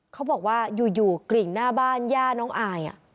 เขาบอกว่าอยู่กลิ่งหน้าบ้านย่าน้องอาย